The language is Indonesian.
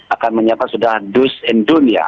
akan menyiapkan sudah do's and don't ya